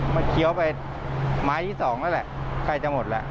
มันเคี้ยวไปไม้ที่สองแล้วแหละใกล้จะหมดแล้ว